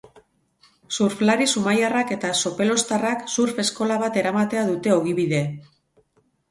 Surflari zumaiarrak eta sopeloztarrak surf eskola bat eramatea dute ogibide.